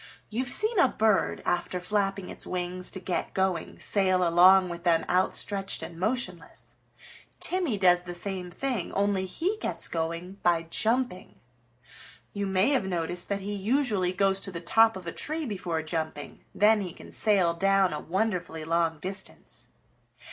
You've seen a bird, after flapping its wings to get going, sail along with them outstretched and motionless. Timmy does the same thing, only he gets going by jumping. You may have noticed that he usually goes to the top of a tree before jumping; then he can sail down a wonderfully long distance.